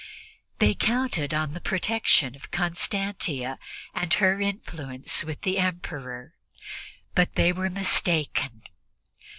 They counted on the protection of Constantia and her influence with the Emperor, but they were mistaken.